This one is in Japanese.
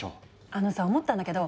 あのさ思ったんだけど。